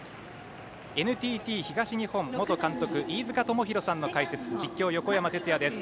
ＮＴＴ東日本元監督飯塚智広さんの解説実況は横山哲也です。